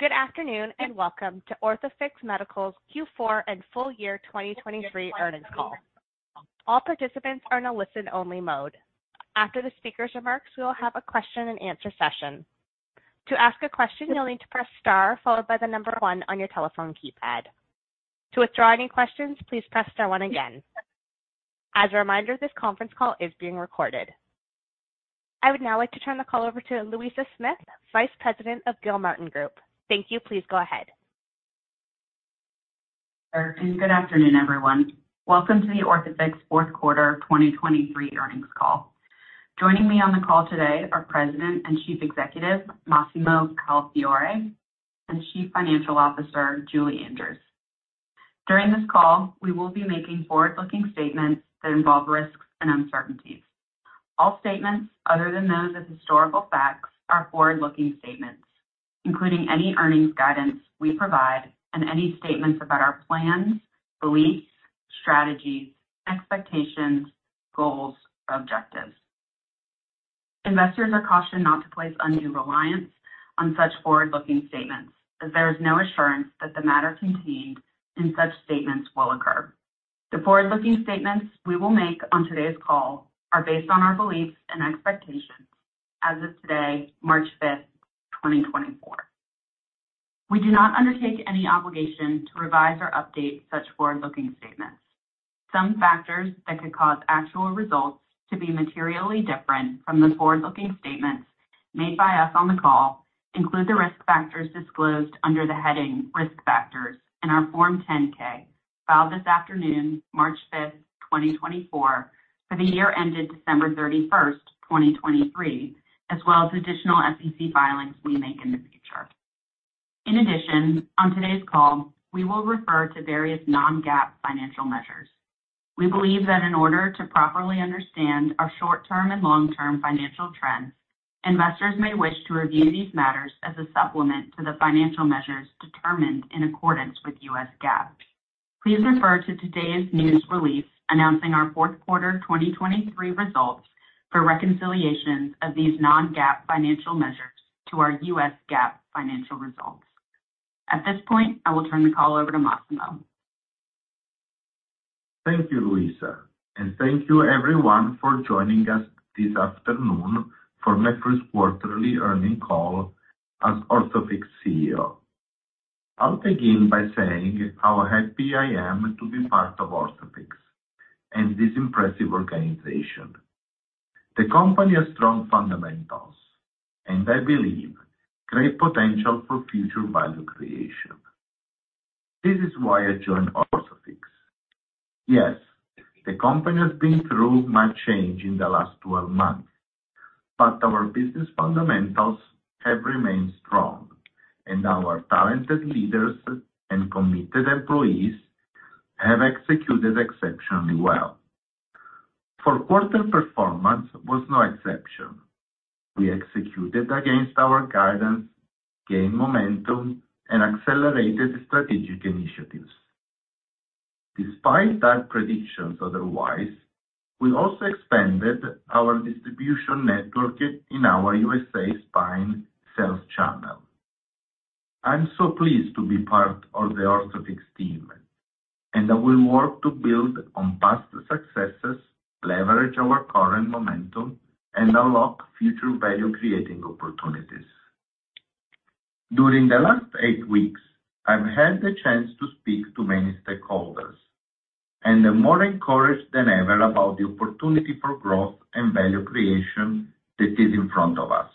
Good afternoon and welcome to Orthofix Medical's Q4 and Full Year 2023 Earnings Call. All participants are in a listen-only mode. After the speaker's remarks, we will have a question-and-answer session. To ask a question, you'll need to press zero followed by the number 1 on your telephone keypad. To withdraw any questions, please press zero again. As a reminder, this conference call is being recorded. I would now like to turn the call over to Louisa Smith, Vice President of Gilmartin Group. Thank you. Please go ahead. Good afternoon, everyone. Welcome to the Orthofix Fourth Quarter 2023 Earnings Call. Joining me on the call today are President and Chief Executive Massimo Calafiore and Chief Financial Officer Julie Andrews. During this call, we will be making forward-looking statements that involve risks and uncertainties. All statements other than those of historical facts are forward-looking statements, including any earnings guidance we provide and any statements about our plans, beliefs, strategies, expectations, goals, or objectives. Investors are cautioned not to place undue reliance on such forward-looking statements, as there is no assurance that the matter contained in such statements will occur. The forward-looking statements we will make on today's call are based on our beliefs and expectations as of today, March 5th, 2024. We do not undertake any obligation to revise or update such forward-looking statements. Some factors that could cause actual results to be materially different from the forward-looking statements made by us on the call include the risk factors disclosed under the heading Risk Factors in our Form 10-K filed this afternoon, March 5th, 2024, for the year ended December 31st, 2023, as well as additional SEC filings we make in the future. In addition, on today's call, we will refer to various non-GAAP financial measures. We believe that in order to properly understand our short-term and long-term financial trends, investors may wish to review these matters as a supplement to the financial measures determined in accordance with U.S. GAAP. Please refer to today's news release announcing our fourth quarter 2023 results for reconciliations of these non-GAAP financial measures to our U.S. GAAP financial results. At this point, I will turn the call over to Massimo. Thank you, Louisa. Thank you, everyone, for joining us this afternoon for my first quarterly earnings call as Orthofix CEO. I'll begin by saying how happy I am to be part of Orthofix and this impressive organization. The company has strong fundamentals, and I believe great potential for future value creation. This is why I joined Orthofix. Yes, the company has been through much change in the last 12 months, but our business fundamentals have remained strong, and our talented leaders and committed employees have executed exceptionally well. Fourth quarter performance was no exception. We executed against our guidance, gained momentum, and accelerated strategic initiatives. Despite bad predictions otherwise, we also expanded our distribution network in our U.S.A spine sales channel. I'm so pleased to be part of the Orthofix team, and I will work to build on past successes, leverage our current momentum, and unlock future value-creating opportunities. During the last eight weeks, I've had the chance to speak to many stakeholders and am more encouraged than ever about the opportunity for growth and value creation that is in front of us.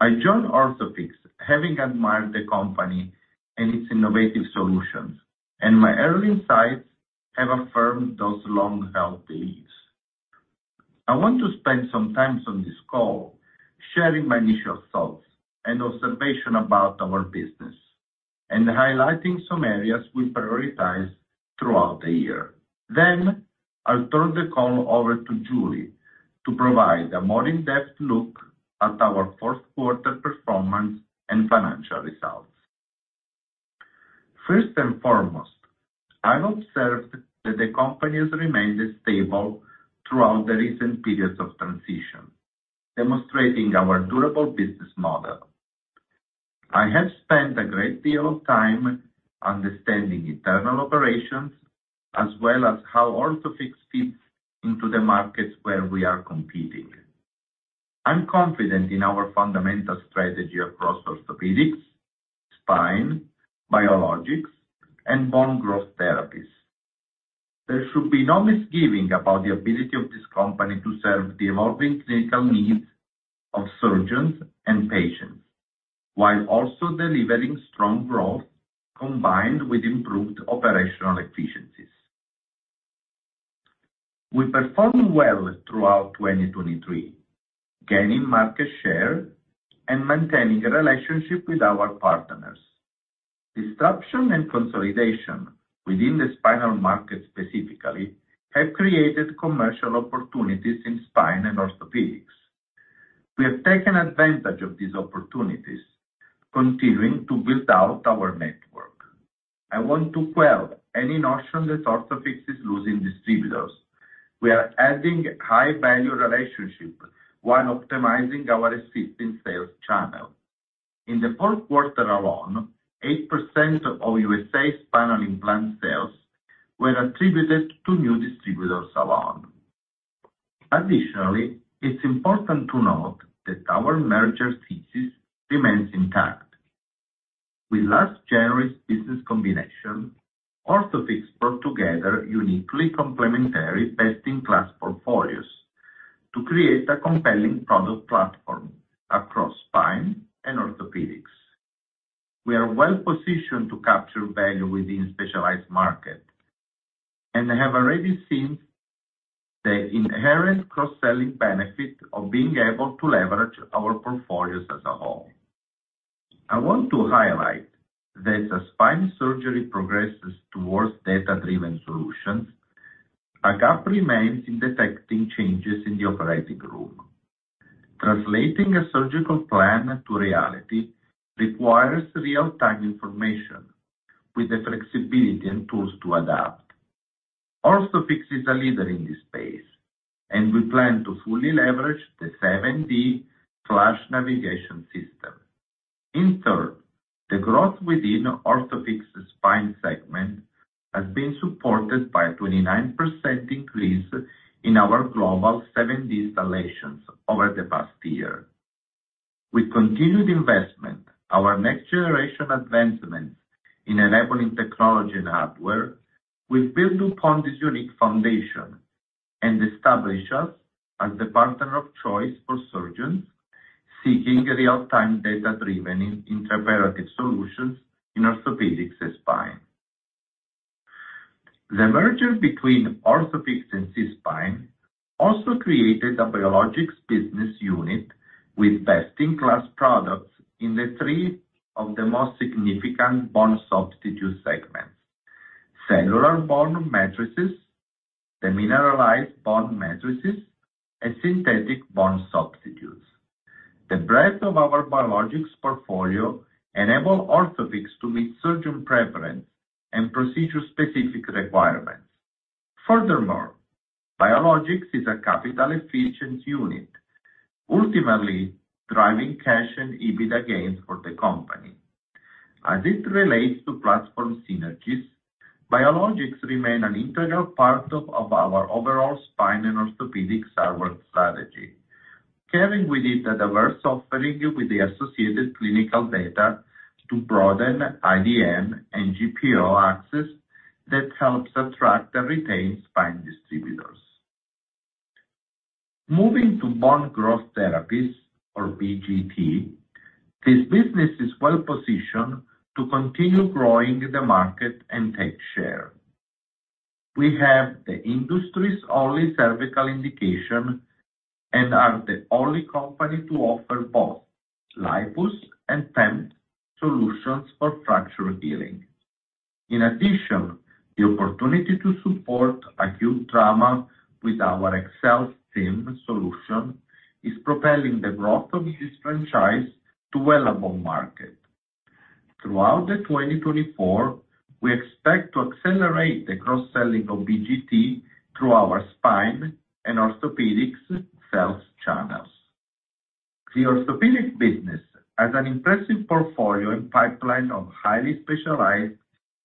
I joined Orthofix having admired the company and its innovative solutions, and my early insights have affirmed those long-held beliefs. I want to spend some time on this call sharing my initial thoughts and observations about our business and highlighting some areas we prioritize throughout the year. Then I'll turn the call over to Julie to provide a more in-depth look at our fourth quarter performance and financial results. First and foremost, I've observed that the company has remained stable throughout the recent periods of transition, demonstrating our durable business model. I have spent a great deal of time understanding internal operations as well as how Orthofix fits into the markets where we are competing. I'm confident in our fundamental strategy across orthopedics, spine, biologics, and bone growth therapies. There should be no misgiving about the ability of this company to serve the evolving clinical needs of surgeons and patients while also delivering strong growth combined with improved operational efficiencies. We performed well throughout 2023, gaining market share and maintaining a relationship with our partners. Disruption and consolidation within the spinal market specifically have created commercial opportunities in spine and orthopedics. We have taken advantage of these opportunities, continuing to build out our network. I want to quell any notion that Orthofix is losing distributors. We are adding high-value relationships while optimizing our existing sales channel. In the fourth quarter alone, 8% of U.S.A spinal implant sales were attributed to new distributors alone. Additionally, it's important to note that our merger thesis remains intact. With last January's business combination, Orthofix brought together uniquely complementary best-in-class portfolios to create a compelling product platform across spine and orthopedics. We are well positioned to capture value within specialized markets and have already seen the inherent cross-selling benefit of being able to leverage our portfolios as a whole. I want to highlight that as spine surgery progresses towards data-driven solutions, a gap remains in detecting changes in the operating room. Translating a surgical plan to reality requires real-time information with the flexibility and tools to adapt. Orthofix is a leader in this space, and we plan to fully leverage the 7D FLASH Navigation System. In Q3, the growth within Orthofix spine segment has been supported by a 29% increase in our global 7D installations over the past year. With continued investment, our next-generation advancements in enabling technology and hardware will build upon this unique foundation and establish us as the partner of choice for surgeons seeking real-time data-driven intraoperative solutions in orthopedics and spine. The merger between Orthofix and SeaSpine also created a biologics business unit with best-in-class products in three of the most significant bone substitute segments: cellular bone matrices, demineralized bone matrices, and synthetic bone substitutes. The breadth of our biologics portfolio enabled Orthofix to meet surgeon preference and procedure-specific requirements. Furthermore, biologics is a capital-efficient unit, ultimately driving cash and EBITDA gains for the company. As it relates to platform synergies, biologics remain an integral part of our overall spine and orthopedics hardware strategy, carrying with it a diverse offering with the associated clinical data to broaden IDN and GPO access that helps attract and retain spine distributors. Moving to Bone Growth Therapies, or BGT, this business is well positioned to continue growing the market and take share. We have the industry's only cervical indication and are the only company to offer both LIPUS and PEMF solutions for fracture healing. In addition, the opportunity to support acute trauma with our AccelStim solution is propelling the growth of this franchise to a well-known market. Throughout 2024, we expect to accelerate the cross-selling of BGT through our Spine and Orthopedics sales channels. The Orthopedics business has an impressive portfolio and pipeline of highly specialized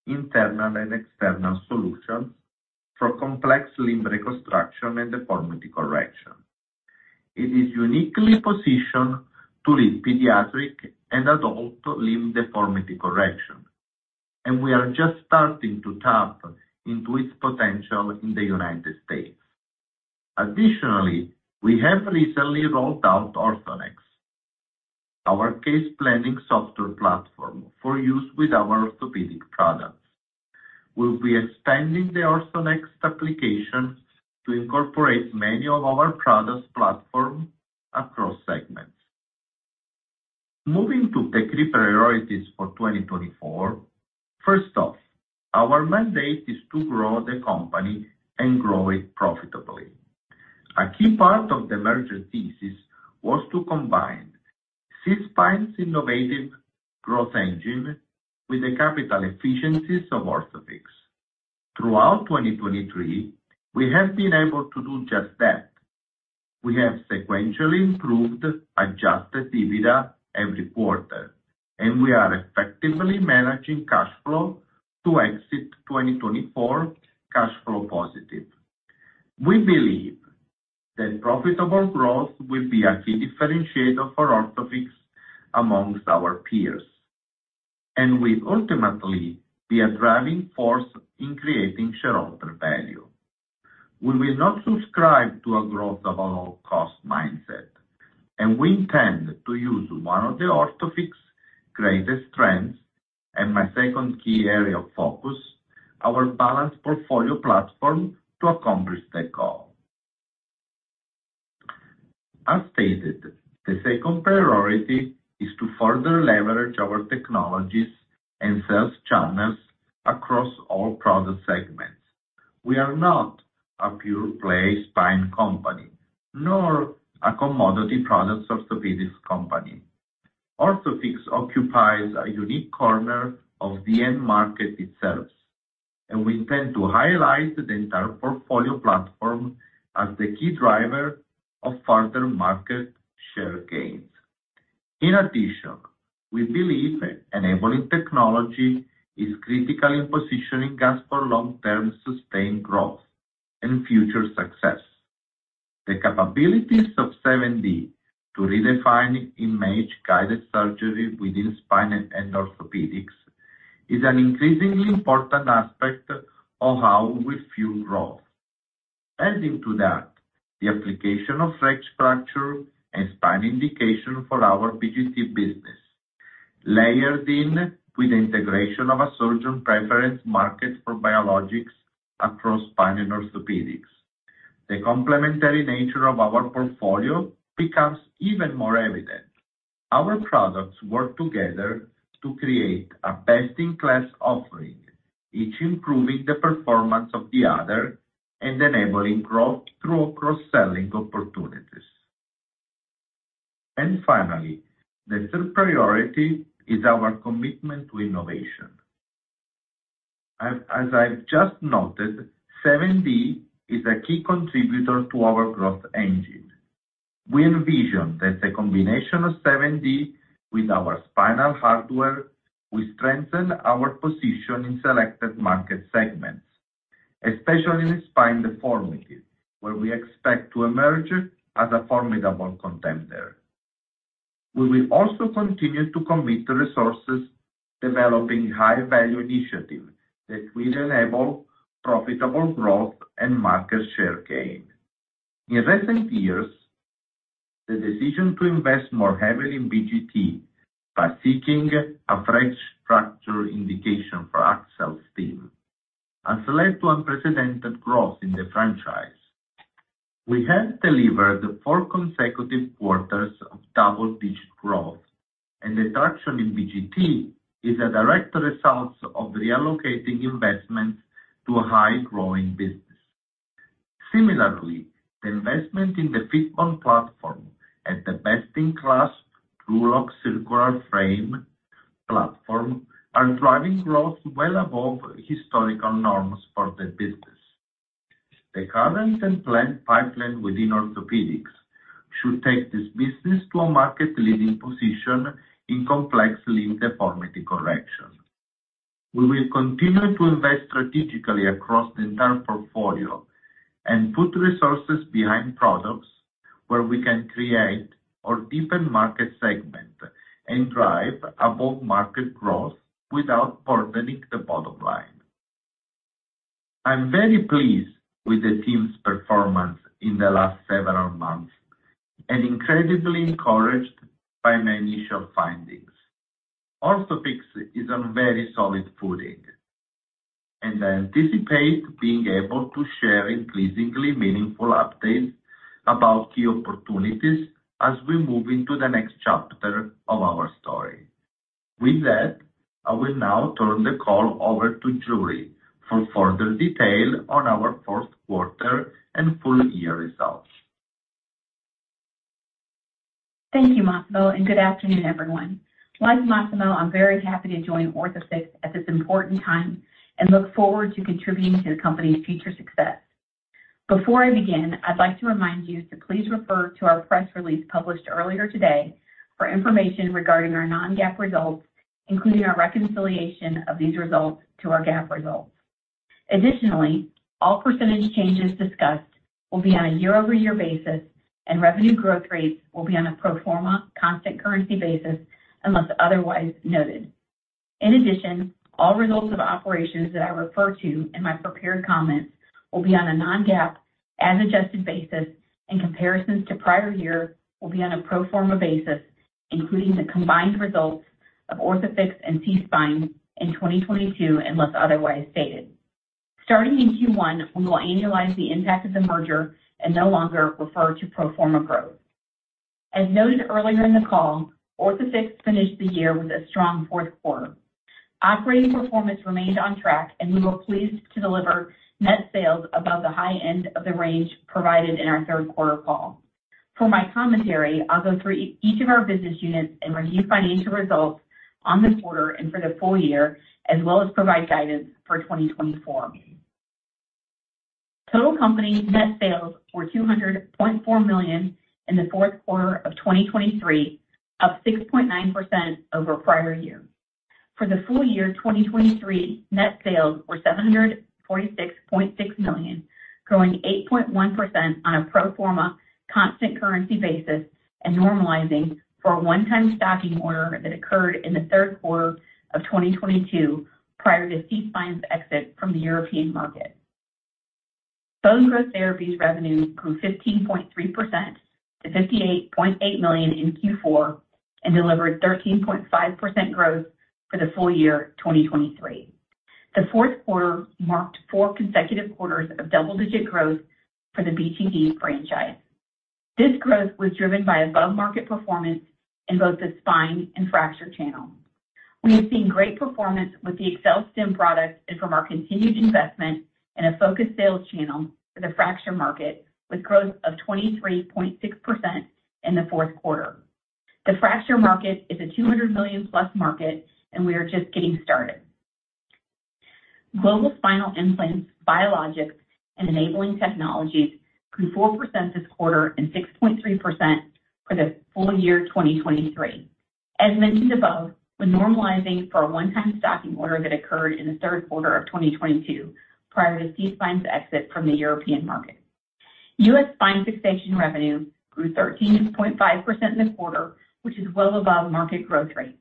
internal and external solutions for complex limb reconstruction and deformity correction. It is uniquely positioned to lead pediatric and adult limb deformity correction, and we are just starting to tap into its potential in the United States. Additionally, we have recently rolled out OrthoNext, our case planning software platform for use with our Orthopedics products. We'll be expanding the OrthoNext application to incorporate many of our products' platform across segments. Moving to strategic priorities for 2024, first off, our mandate is to grow the company and grow it profitably. A key part of the merger thesis was to combine SeaSpine's innovative growth engine with the capital efficiencies of Orthofix. Throughout 2023, we have been able to do just that. We have sequentially improved Adjusted EBITDA every quarter, and we are effectively managing cash flow to exit 2024 cash flow positive. We believe that profitable growth will be a key differentiator for Orthofix amongst our peers, and will ultimately be a driving force in creating shareholder value. We will not subscribe to a growth-at-all-cost mindset, and we intend to use one of Orthofix's greatest strengths and my second key area of focus, our balanced portfolio platform, to accomplish that goal. As stated, the second priority is to further leverage our technologies and sales channels across all product segments. We are not a pure-play spine company nor a commodity products orthopedics company. Orthofix occupies a unique corner of the end market itself, and we intend to highlight the entire portfolio platform as the key driver of further market share gains. In addition, we believe enabling technology is critical in positioning us for long-term sustained growth and future success. The capabilities of 7D to redefine image-guided surgery within spine and orthopedics is an increasingly important aspect of how we fuel growth. Adding to that, the application of fracture and spine indication for our BGT business, layered in with the integration of a surgeon preference market for biologics across spine and orthopedics, the complementary nature of our portfolio becomes even more evident. Our products work together to create a best-in-class offering, each improving the performance of the other and enabling growth through cross-selling opportunities. Finally, the third priority is our commitment to innovation. As I've just noted, 7D is a key contributor to our growth engine. We envision that the combination of 7D with our spinal hardware will strengthen our position in selected market segments, especially in spine deformity, where we expect to emerge as a formidable contender. We will also continue to commit resources developing high-value initiatives that will enable profitable growth and market share gain. In recent years, the decision to invest more heavily in BGT by seeking a fracture indication for AccelStim has led to unprecedented growth in the franchise. We have delivered four consecutive quarters of double-digit growth, and the traction in BGT is a direct result of reallocating investments to a high-growing business. Similarly, the investment in the FITBONE platform and the best-in-class TrueLok circular frame platform are driving growth well above historical norms for the business. The current and planned pipeline within orthopedics should take this business to a market-leading position in complex limb deformity correction. We will continue to invest strategically across the entire portfolio and put resources behind products where we can create or deepen market segments and drive above-market growth without burdening the bottom line. I'm very pleased with the team's performance in the last several months and incredibly encouraged by my initial findings. Orthofix is on very solid footing, and I anticipate being able to share increasingly meaningful updates about key opportunities as we move into the next chapter of our story. With that, I will now turn the call over to Julie for further detail on our fourth quarter and full-year results. Thank you, Massimo, and good afternoon, everyone. Like Massimo, I'm very happy to join Orthofix at this important time and look forward to contributing to the company's future success. Before I begin, I'd like to remind you to please refer to our press release published earlier today for information regarding our non-GAAP results, including our reconciliation of these results to our GAAP results. Additionally, all percentage changes discussed will be on a year-over-year basis, and revenue growth rates will be on a pro forma, constant currency basis, unless otherwise noted. In addition, all results of operations that I refer to in my prepared comments will be on a non-GAAP as-adjusted basis, and comparisons to prior years will be on a pro forma basis, including the combined results of Orthofix and SeaSpine in 2022 unless otherwise stated. Starting in Q1, we will annualize the impact of the merger and no longer refer to pro forma growth. As noted earlier in the call, Orthofix finished the year with a strong fourth quarter. Operating performance remained on track, and we were pleased to deliver net sales above the high end of the range provided in our third quarter call. For my commentary, I'll go through each of our business units and review financial results on the quarter and for the full year, as well as provide guidance for 2024. Total company net sales were $200.4 million in the fourth quarter of 2023, up 6.9% over prior years. For the full year 2023, net sales were $746.6 million, growing 8.1% on a pro forma, constant currency basis, and normalizing for a one-time stocking order that occurred in the third quarter of 2022 prior to SeaSpine's exit from the European market. Bone Growth Therapies revenue grew 15.3% to $58.8 million in Q4 and delivered 13.5% growth for the full year 2023. The fourth quarter marked four consecutive quarters of double-digit growth for the BGT franchise. This growth was driven by above-market performance in both the spine and fracture channels. We have seen great performance with the AccelStim products and from our continued investment in a focused sales channel for the fracture market with growth of 23.6% in the fourth quarter. The fracture market is a $200 million-plus market, and we are just getting started. Global spinal implants, biologics, and enabling technologies grew 4% this quarter and 6.3% for the full year 2023, as mentioned above, with normalizing for a one-time stocking order that occurred in the third quarter of 2022 prior to SeaSpine's exit from the European market. U.S. spine fixation revenue grew 13.5% in the quarter, which is well above market growth rates.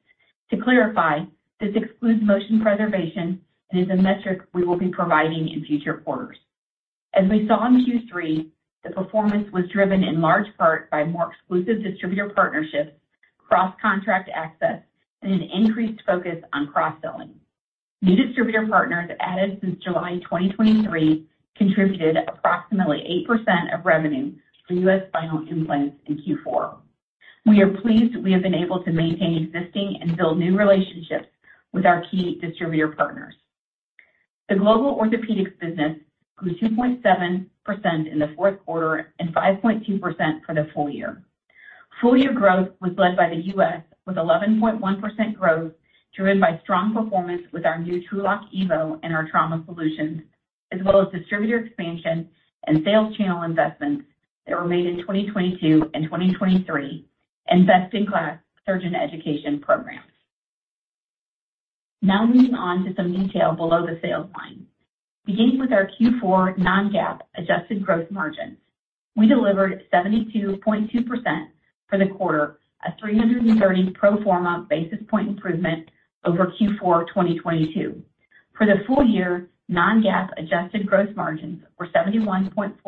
To clarify, this excludes motion preservation and is a metric we will be providing in future quarters. As we saw in Q3, the performance was driven in large part by more exclusive distributor partnerships, cross-contract access, and an increased focus on cross-selling. New distributor partners added since July 2023 contributed approximately 8% of revenue for U.S. spinal implants in Q4. We are pleased we have been able to maintain existing and build new relationships with our key distributor partners. The global orthopedics business grew 2.7% in the fourth quarter and 5.2% for the full year. Full-year growth was led by the U.S. with 11.1% growth driven by strong performance with our new TrueLok EVO and our trauma solutions, as well as distributor expansion and sales channel investments that were made in 2022 and 2023, and best-in-class surgeon education programs. Now moving on to some detail below the sales line. Beginning with our Q4 non-GAAP adjusted gross margins, we delivered 72.2% for the quarter, a 330 pro forma basis point improvement over Q4 2022. For the full year, non-GAAP adjusted gross margins were 71.4%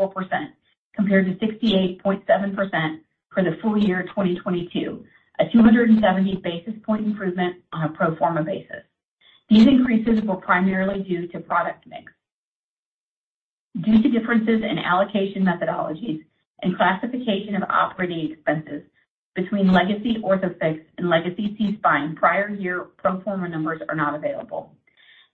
compared to 68.7% for the full year 2022, a 270 basis point improvement on a pro forma basis. These increases were primarily due to product mix. Due to differences in allocation methodologies and classification of operating expenses between legacy Orthofix and legacy SeaSpine, prior year pro forma numbers are not available.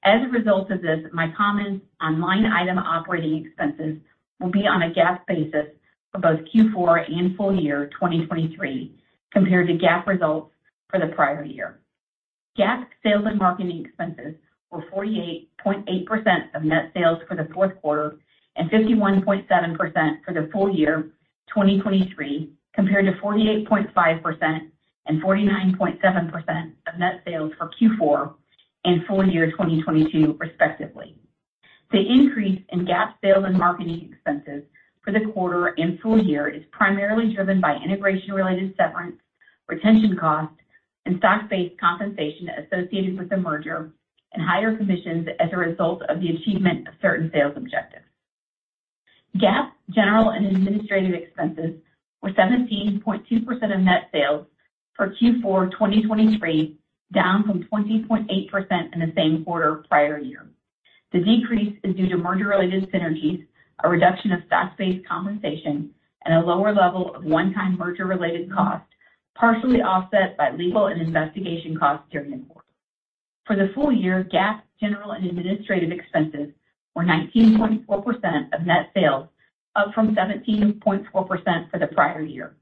As a result of this, my comments on line item operating expenses will be on a GAAP basis for both Q4 and full year 2023 compared to GAAP results for the prior year. GAAP sales and marketing expenses were 48.8% of net sales for the fourth quarter and 51.7% for the full year 2023 compared to 48.5% and 49.7% of net sales for Q4 and full year 2022, respectively. The increase in GAAP sales and marketing expenses for the quarter and full year is primarily driven by integration-related severance, retention costs, and stock-based compensation associated with the merger, and higher commissions as a result of the achievement of certain sales objectives. GAAP general and administrative expenses were 17.2% of net sales for Q4 2023, down from 20.8% in the same quarter prior year. The decrease is due to merger-related synergies, a reduction of stock-based compensation, and a lower level of one-time merger-related cost, partially offset by legal and investigation costs during the quarter. For the full year, GAAP general and administrative expenses were 19.4% of net sales, up from 17.4% for the prior year.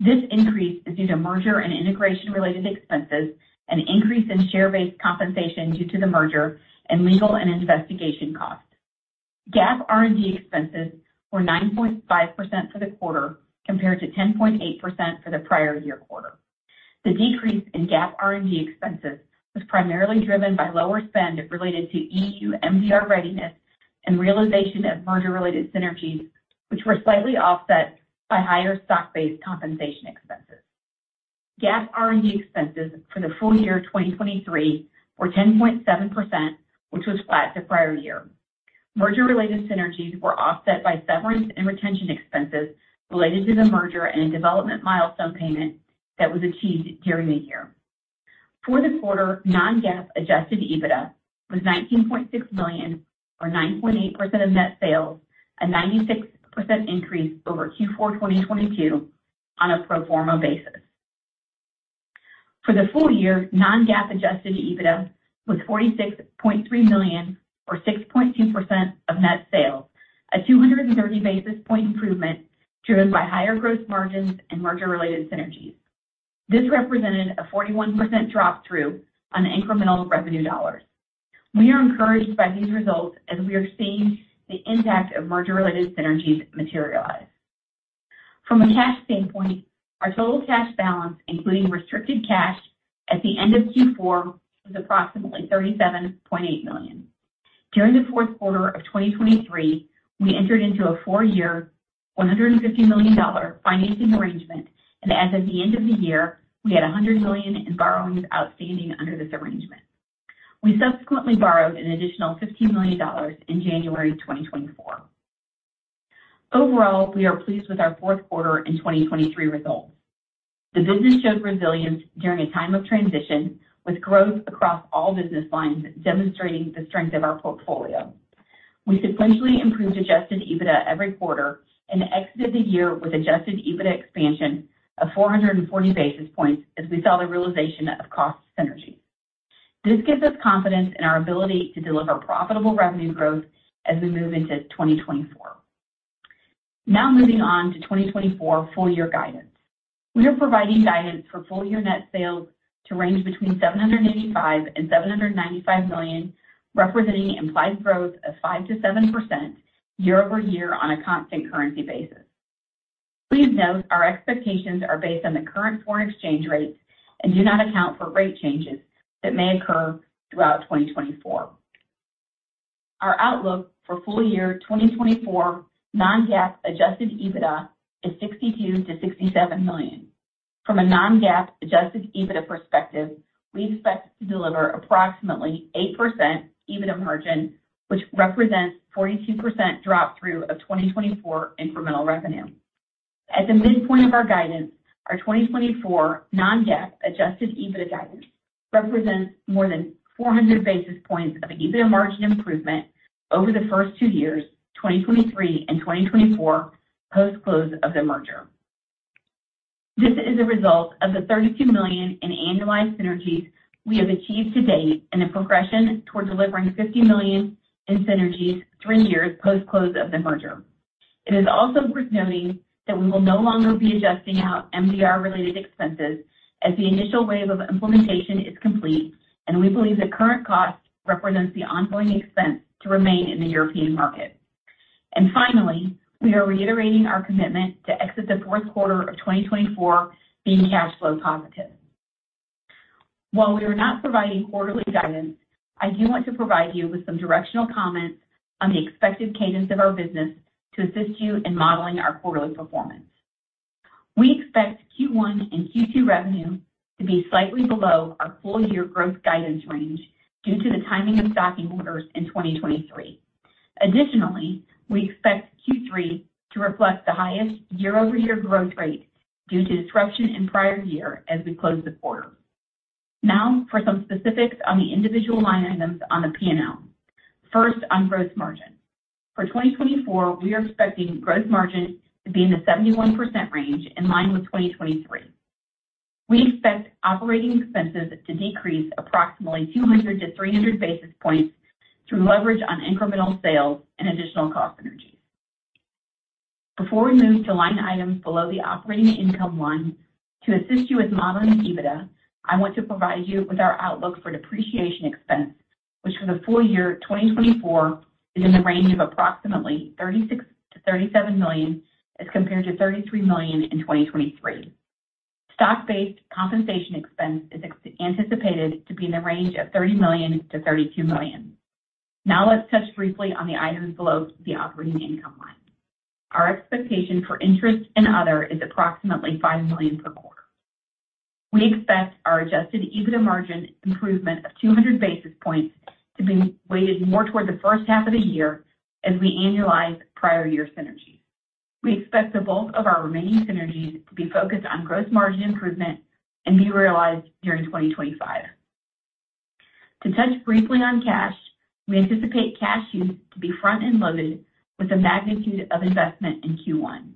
This increase is due to merger and integration-related expenses, an increase in share-based compensation due to the merger, and legal and investigation costs. GAAP R&D expenses were 9.5% for the quarter compared to 10.8% for the prior year quarter. The decrease in GAAP R&D expenses was primarily driven by lower spend related to EU MDR readiness and realization of merger-related synergies, which were slightly offset by higher stock-based compensation expenses. GAAP R&D expenses for the full year 2023 were 10.7%, which was flat to prior year. Merger-related synergies were offset by severance and retention expenses related to the merger and a development milestone payment that was achieved during the year. For the quarter, non-GAAP adjusted EBITDA was $19.6 million or 9.8% of net sales, a 96% increase over Q4 2022 on a pro forma basis. For the full year, non-GAAP adjusted EBITDA was $46.3 million or 6.2% of net sales, a 230 basis point improvement driven by higher gross margins and merger-related synergies. This represented a 41% drop-through on incremental revenue dollars. We are encouraged by these results as we are seeing the impact of merger-related synergies materialize. From a cash standpoint, our total cash balance, including restricted cash at the end of Q4, was approximately $37.8 million. During the fourth quarter of 2023, we entered into a four-year $150 million financing arrangement, and as of the end of the year, we had $100 million in borrowings outstanding under this arrangement. We subsequently borrowed an additional $15 million in January 2024. Overall, we are pleased with our fourth quarter and 2023 results. The business showed resilience during a time of transition, with growth across all business lines demonstrating the strength of our portfolio. We sequentially improved Adjusted EBITDA every quarter and exited the year with Adjusted EBITDA expansion of 440 basis points as we saw the realization of cost synergies. This gives us confidence in our ability to deliver profitable revenue growth as we move into 2024. Now moving on to 2024 full-year guidance. We are providing guidance for full-year net sales to range between $785 million-$795 million, representing implied growth of 5%-7% year over year on a constant currency basis. Please note our expectations are based on the current foreign exchange rates and do not account for rate changes that may occur throughout 2024. Our outlook for full year 2024 non-GAAP adjusted EBITDA is $62 million-$67 million. From a non-GAAP adjusted EBITDA perspective, we expect to deliver approximately 8% EBITDA margin, which represents 42% drop-through of 2024 incremental revenue. At the midpoint of our guidance, our 2024 non-GAAP adjusted EBITDA guidance represents more than 400 basis points of EBITDA margin improvement over the first two years, 2023 and 2024, post-close of the merger. This is a result of the $32 million in annualized synergies we have achieved to date and a progression toward delivering $50 million in synergies three years post-close of the merger. It is also worth noting that we will no longer be adjusting out MDR-related expenses as the initial wave of implementation is complete, and we believe the current cost represents the ongoing expense to remain in the European market. Finally, we are reiterating our commitment to exit the fourth quarter of 2024 being cash flow positive. While we are not providing quarterly guidance, I do want to provide you with some directional comments on the expected cadence of our business to assist you in modeling our quarterly performance. We expect Q1 and Q2 revenue to be slightly below our full-year growth guidance range due to the timing of stocking orders in 2023. Additionally, we expect Q3 to reflect the highest year-over-year growth rate due to disruption in prior year as we close the quarter. Now for some specifics on the individual line items on the P&L. First, on gross margins. For 2024, we are expecting gross margins to be in the 71% range in line with 2023. We expect operating expenses to decrease approximately 200-300 basis points through leverage on incremental sales and additional cost synergies. Before we move to line items below the operating income line to assist you with modeling EBITDA, I want to provide you with our outlook for depreciation expense, which for the full year 2024 is in the range of approximately $36-$37 million as compared to $33 million in 2023. Stock-based compensation expense is anticipated to be in the range of $30-$32 million. Now let's touch briefly on the items below the operating income line. Our expectation for interest and other is approximately $5 million per quarter. We expect our Adjusted EBITDA margin improvement of 200 basis points to be weighted more toward the first half of the year as we annualize prior year synergies. We expect the bulk of our remaining synergies to be focused on gross margin improvement and be realized during 2025. To touch briefly on cash, we anticipate cash use to be front-end loaded with a magnitude of investment in Q1,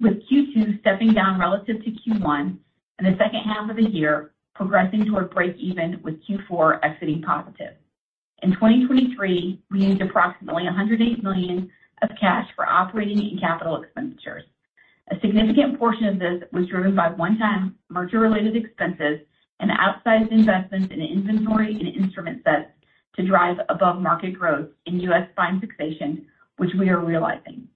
with Q2 stepping down relative to Q1 and the second half of the year progressing toward break-even with Q4 exiting positive. In 2023, we used approximately $108 million of cash for operating and capital expenditures. A significant portion of this was driven by one-time merger-related expenses and outsized investments in inventory and instrument sets to drive above-market growth in U.S. Spine Fixation, which we are realizing.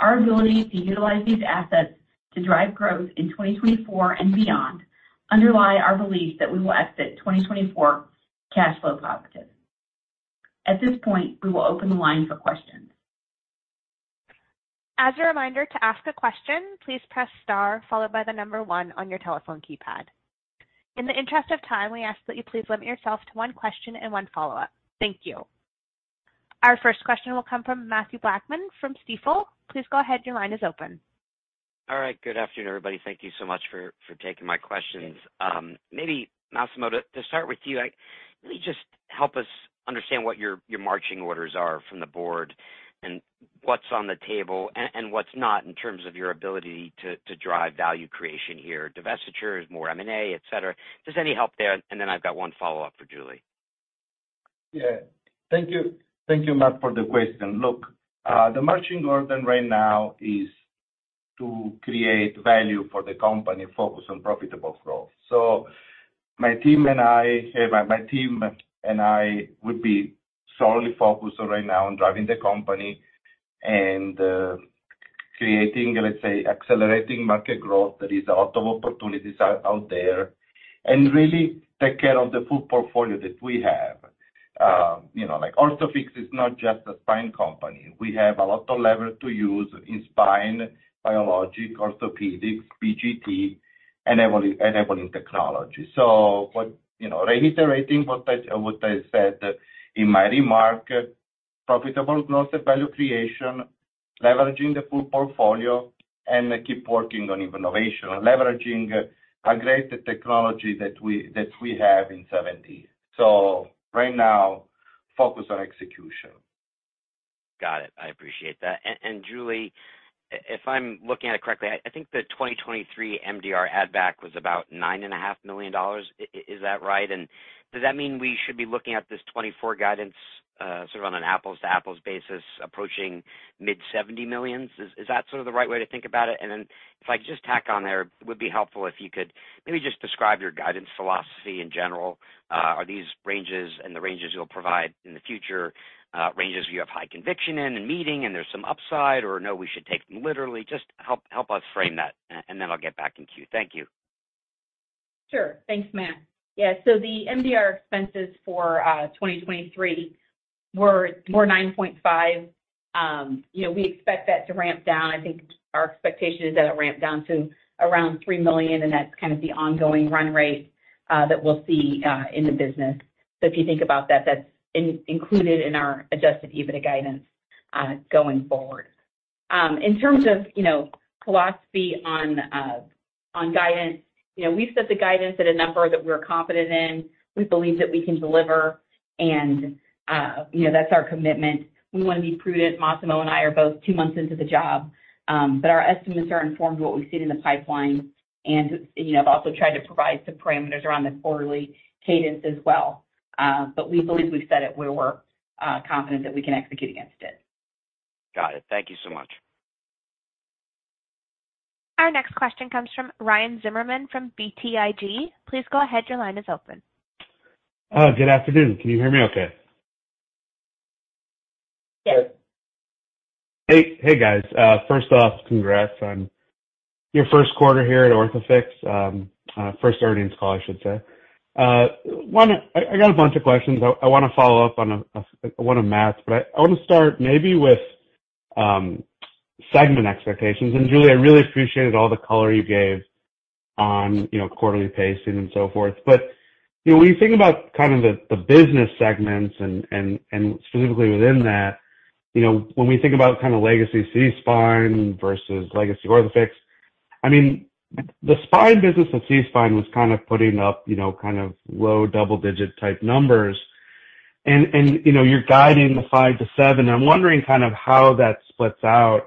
Our ability to utilize these assets to drive growth in 2024 and beyond underlies our belief that we will exit 2024 cash flow positive. At this point, we will open the line for questions. As a reminder, to ask a question, please press star followed by the number one on your telephone keypad. In the interest of time, we ask that you please limit yourself to one question and one follow-up. Thank you. Our first question will come from Mathew Blackman from Stifel. Please go ahead. Your line is open. All right. Good afternoon, everybody. Thank you so much for taking my questions. Maybe, Massimo, to start with you, really just help us understand what your marching orders are from the board and what's on the table and what's not in terms of your ability to drive value creation here. Divestitures, more M&A, etc. Just any help there, and then I've got one follow-up for Julie. Yeah. Thank you. Thank you, Mat, for the question. Look, the marching order right now is to create value for the company, focus on profitable growth. So my team and I my team and I would be solely focused right now on driving the company and creating, let's say, accelerating market growth. There is a lot of opportunities out there. And really take care of the full portfolio that we have. Orthofix is not just a spine company. We have a lot of leverage to use in spine, biologics, orthopedics, BGT, and enabling technology. So reiterating what I said in my remark, profitable growth and value creation, leveraging the full portfolio, and keep working on innovation, leveraging a great technology that we have in 7D. So right now, focus on execution. Got it. I appreciate that. And Julie, if I'm looking at it correctly, I think the 2023 MDR add-back was about $9.5 million. Is that right? And does that mean we should be looking at this 2024 guidance sort of on an apples-to-apples basis, approaching mid-$70 millions? Is that sort of the right way to think about it? And then if I could just tack on there, it would be helpful if you could maybe just describe your guidance philosophy in general. Are these ranges and the ranges you'll provide in the future ranges you have high conviction in and meeting, and there's some upside, or no, we should take them literally? Just help us frame that, and then I'll get back in queue. Thank you. Sure. Thanks, Mat. Yeah. So the MDR expenses for 2023 were $9.5 million. We expect that to ramp down. I think our expectation is that it'll ramp down to around $3 million, and that's kind of the ongoing run rate that we'll see in the business. So if you think about that, that's included in our adjusted EBITDA guidance going forward. In terms of philosophy on guidance, we've set the guidance at a number that we're confident in. We believe that we can deliver, and that's our commitment. We want to be prudent. Massimo and I are both two months into the job, but our estimates are informed of what we've seen in the pipeline. And I've also tried to provide some parameters around the quarterly cadence as well. But we believe we've set it where we're confident that we can execute against it. Got it. Thank you so much. Our next question comes from Ryan Zimmerman from BTIG. Please go ahead. Your line is open. Good afternoon. Can you hear me okay? Yes. Hey, guys. First off, congrats on your first quarter here at Orthofix, first earnings call, I should say. I got a bunch of questions. I want to follow up on one of Matt's, but I want to start maybe with segment expectations. And Julie, I really appreciated all the color you gave on quarterly pacing and so forth. But when you think about kind of the business segments and specifically within that, when we think about kind of legacy SeaSpine versus legacy Orthofix, I mean, the spine business at SeaSpine was kind of putting up kind of low double-digit type numbers. And you're guiding the 5%-7%. I'm wondering kind of how that splits out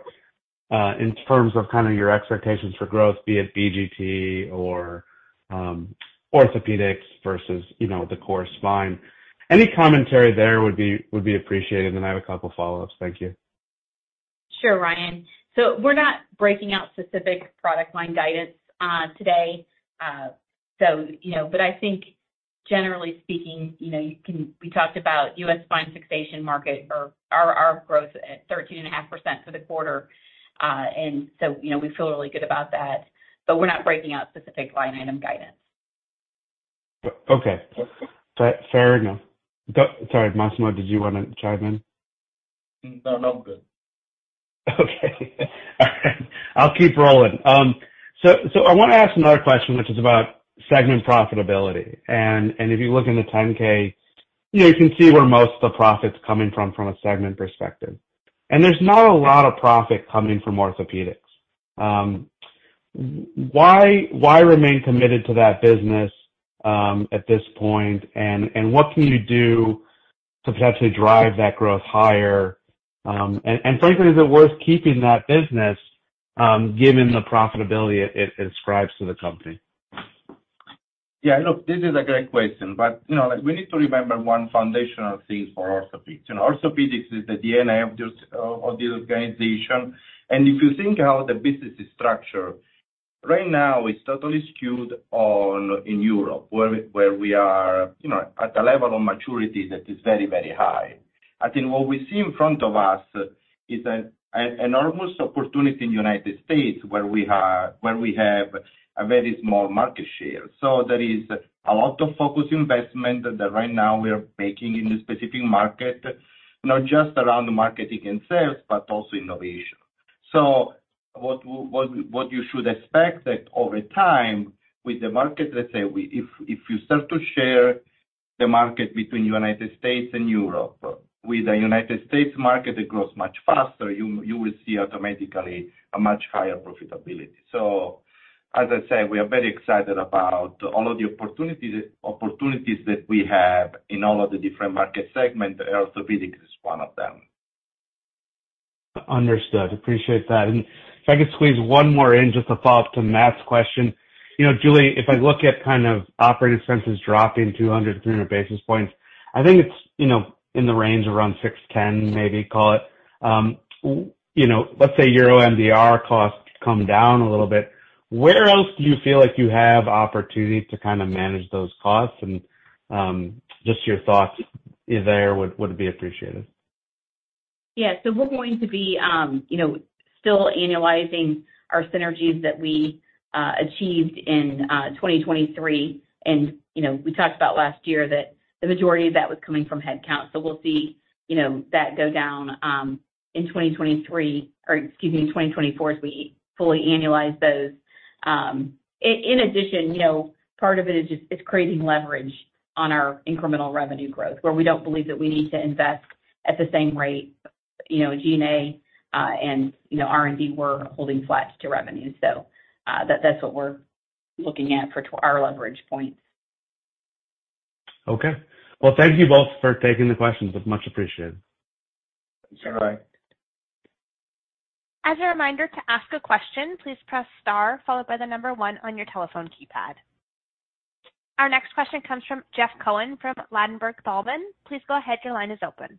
in terms of kind of your expectations for growth, be it BGT or orthopedics versus the core spine. Any commentary there would be appreciated, and then I have a couple of follow-ups. Thank you. Sure, Ryan. So we're not breaking out specific product line guidance today, but I think, generally speaking, we talked about U.S. spine fixation market or our growth at 13.5% for the quarter. And so we feel really good about that. But we're not breaking out specific line item guidance. Okay. Fair enough. Sorry, Massimo, did you want to chime in? No, no. I'm good. Okay. All right. I'll keep rolling. So I want to ask another question, which is about segment profitability. And if you look in the 10-K, you can see where most of the profit's coming from a segment perspective. And there's not a lot of profit coming from Orthopedics. Why remain committed to that business at this point, and what can you do to potentially drive that growth higher? And frankly, is it worth keeping that business given the profitability it ascribes to the company? Yeah. Look, this is a great question. But we need to remember one foundational thing for orthopedics. Orthopedics is the DNA of this organization. And if you think about the business structure, right now, it's totally skewed in Europe, where we are at a level of maturity that is very, very high. I think what we see in front of us is an enormous opportunity in the United States where we have a very small market share. So there is a lot of focused investment that right now we are making in the specific market, not just around marketing and sales, but also innovation. So what you should expect that over time with the market, let's say, if you start to share the market between the United States and Europe, with the United States market, it grows much faster. You will see automatically a much higher profitability. So as I said, we are very excited about all of the opportunities that we have in all of the different market segments. Orthopedics is one of them. Understood. Appreciate that. And if I could squeeze one more in, just a follow-up to Matt's question. Julie, if I look at kind of operating expenses dropping 200-300 basis points, I think it's in the range around 6-10, maybe, call it. Let's say EU MDR costs come down a little bit. Where else do you feel like you have opportunity to kind of manage those costs? And just your thoughts there would be appreciated. Yeah. So we're going to be still annualizing our synergies that we achieved in 2023. And we talked about last year that the majority of that was coming from headcount. So we'll see that go down in 2023 or excuse me, in 2024 as we fully annualize those. In addition, part of it is just it's creating leverage on our incremental revenue growth, where we don't believe that we need to invest at the same rate. SG&A and R&D were holding flat to revenue. So that's what we're looking at for our leverage points. Okay. Well, thank you both for taking the questions. It's much appreciated. Sure, Ryan. As a reminder to ask a question, please press star followed by the number one on your telephone keypad. Our next question comes from Jeff Cohen from Ladenburg Thalmann. Please go ahead. Your line is open.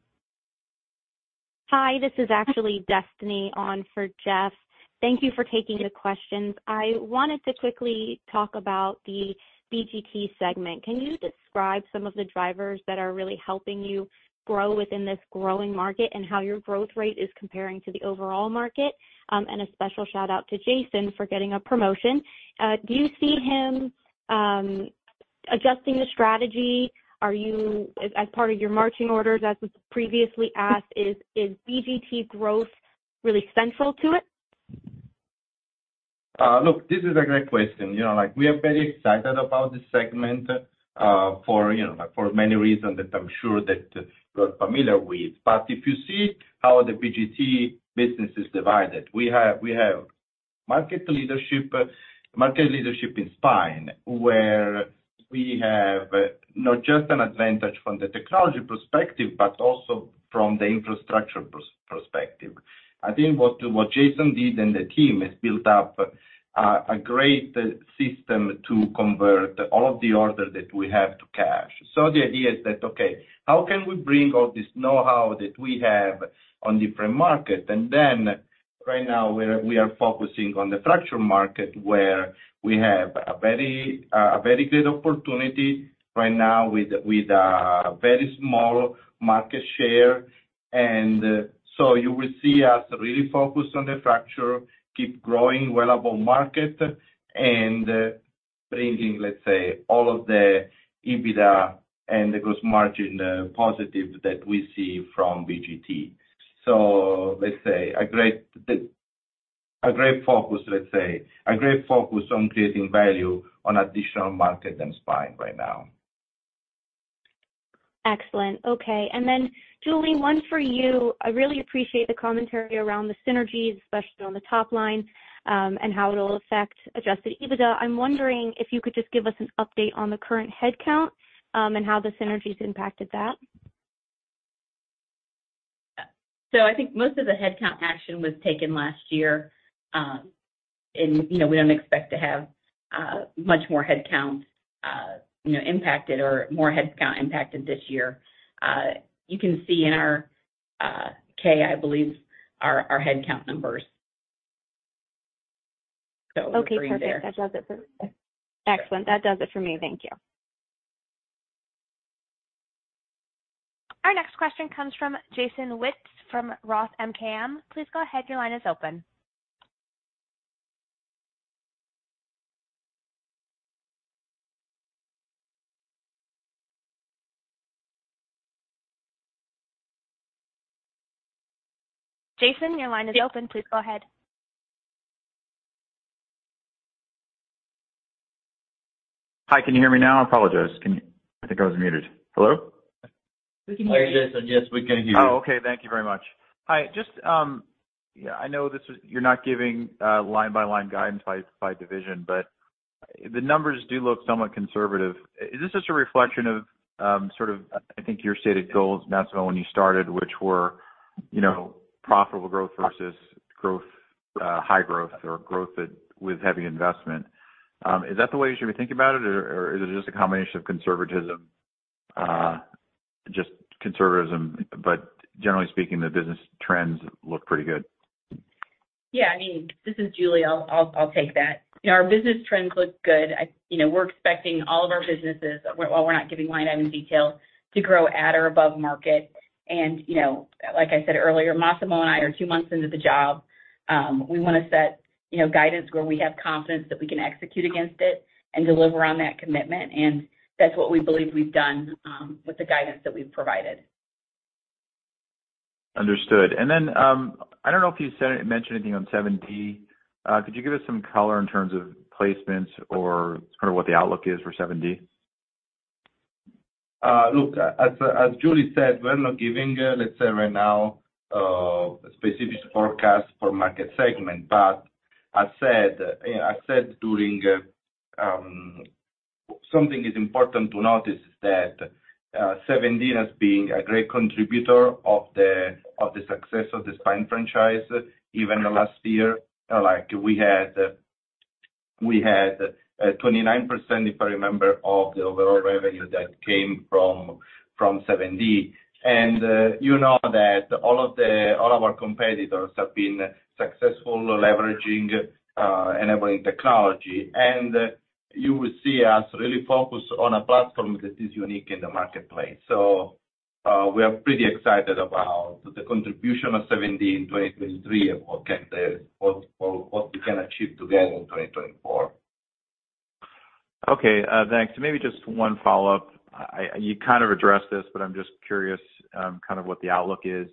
Hi. This is actually Destiny on for Jeff. Thank you for taking the questions. I wanted to quickly talk about the BGT segment. Can you describe some of the drivers that are really helping you grow within this growing market and how your growth rate is comparing to the overall market? And a special shout-out to Jason for getting a promotion. Do you see him adjusting the strategy as part of your marching orders? As was previously asked, is BGT growth really central to it? Look, this is a great question. We are very excited about this segment for many reasons that I'm sure that you're familiar with. But if you see how the BGT business is divided, we have market leadership in spine where we have not just an advantage from the technology perspective, but also from the infrastructure perspective. I think what Jason did and the team has built up a great system to convert all of the order that we have to cash. So the idea is that, okay, how can we bring all this know-how that we have on different markets? And then right now, we are focusing on the fracture market where we have a very great opportunity right now with a very small market share. You will see us really focused on the fracture, keep growing well above market, and bringing, let's say, all of the EBITDA and the gross margin positive that we see from BGT. So let's say a great focus, let's say a great focus on creating value on additional market than spine right now. Excellent. Okay. And then, Julie, one for you. I really appreciate the commentary around the synergies, especially on the top line and how it'll affect Adjusted EBITDA. I'm wondering if you could just give us an update on the current headcount and how the synergies impacted that. I think most of the headcount action was taken last year. We don't expect to have much more headcount impacted or more headcount impacted this year. You can see in our K, I believe, our headcount numbers. Green there. Okay. Perfect. That does it for me. Excellent. That does it for me. Thank you. Our next question comes from Jason Wittes from Roth MKM. Please go ahead. Your line is open. Jason, your line is open. Please go ahead. Hi. Can you hear me now? I apologize. I think I was muted. Hello? Hi, Jason. Yes, we can hear you. Oh, okay. Thank you very much. Hi. Yeah, I know you're not giving line-by-line guidance by division, but the numbers do look somewhat conservative. Is this just a reflection of sort of, I think, your stated goals, Massimo, when you started, which were profitable growth versus high growth or growth with heavy investment? Is that the way you should be thinking about it, or is it just a combination of conservatism, just conservatism? But generally speaking, the business trends look pretty good. Yeah. I mean, this is Julie. I'll take that. Our business trends look good. We're expecting all of our businesses while we're not giving line item detail to grow at or above market. And like I said earlier, Massimo and I are two months into the job. We want to set guidance where we have confidence that we can execute against it and deliver on that commitment. And that's what we believe we've done with the guidance that we've provided. Understood. And then I don't know if you mentioned anything on 7D. Could you give us some color in terms of placements or kind of what the outlook is for 7D? Look, as Julie said, we are not giving, let's say, right now, a specific forecast for market segment. But as said during something is important to notice is that 7D has been a great contributor of the success of the spine franchise. Even last year, we had 29%, if I remember, of the overall revenue that came from 7D. And you know that all of our competitors have been successful leveraging enabling technology. And you will see us really focused on a platform that is unique in the marketplace. So we are pretty excited about the contribution of 7D in 2023 and what we can achieve together in 2024. Okay. Thanks. Maybe just one follow-up. You kind of addressed this, but I'm just curious kind of what the outlook is.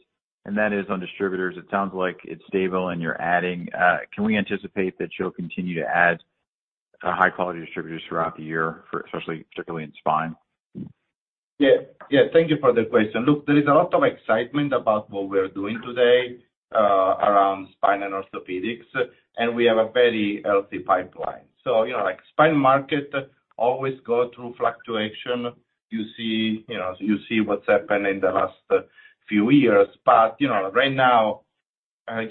That is on distributors. It sounds like it's stable, and you're adding. Can we anticipate that you'll continue to add high-quality distributors throughout the year, particularly in spine? Yeah. Yeah. Thank you for the question. Look, there is a lot of excitement about what we're doing today around spine and orthopedics. We have a very healthy pipeline. Spine market always goes through fluctuation. You see what's happened in the last few years. But right now,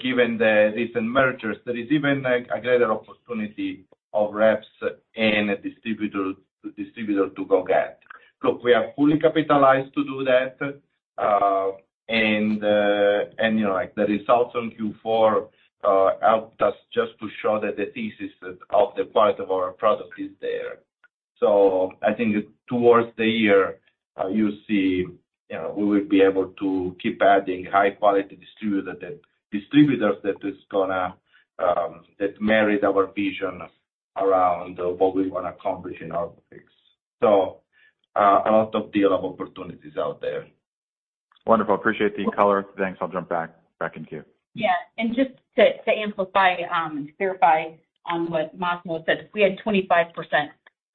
given the recent mergers, there is even a greater opportunity of reps and a distributor to go get. Look, we are fully capitalized to do that. The results on Q4 helped us just to show that the thesis of the quality of our product is there. So I think towards the year, you'll see we will be able to keep adding high-quality distributors that are going to marry our vision around what we want to accomplish in orthopedics. So a lot of doable opportunities out there. Wonderful. Appreciate the color. Thanks. I'll jump back in queue. Yeah. And just to amplify and clarify on what Massimo said, we had 25%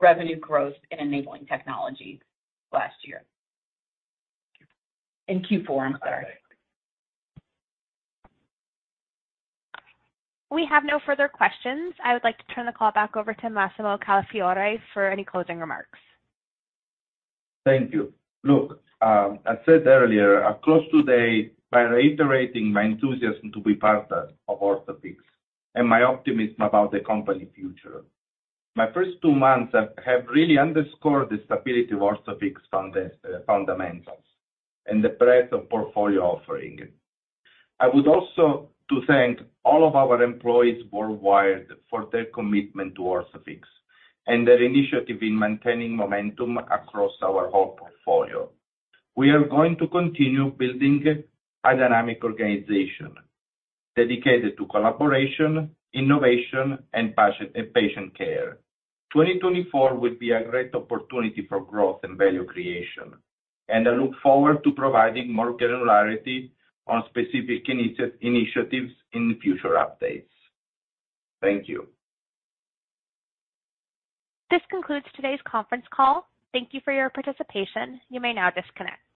revenue growth in enabling technology last year in Q4. I'm sorry. We have no further questions. I would like to turn the call back over to Massimo Calafiore for any closing remarks. Thank you. Look, as said earlier, I closed today by reiterating my enthusiasm to be part of Orthofix and my optimism about the company's future. My first two months have really underscored the stability of Orthofix fundamentals and the breadth of portfolio offering. I would also thank all of our employees worldwide for their commitment to Orthofix and their initiative in maintaining momentum across our whole portfolio. We are going to continue building a dynamic organization dedicated to collaboration, innovation, and patient care. 2024 will be a great opportunity for growth and value creation. And I look forward to providing more granularity on specific initiatives in future updates. Thank you. This concludes today's conference call. Thank you for your participation. You may now disconnect.